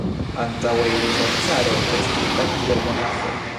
Antaŭe iris la caro, vestita kiel monaĥo.